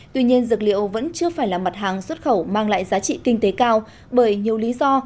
tuy nhiên dược liệu vẫn chưa phải là mặt hàng xuất khẩu mang lại giá trị kinh tế cao bởi nhiều lý do